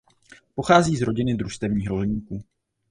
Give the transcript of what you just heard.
Pochází z rodiny družstevních rolníků.